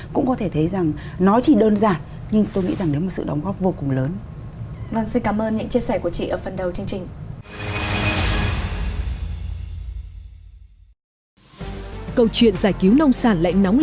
cũng có thể thấy rằng nó chỉ đơn giản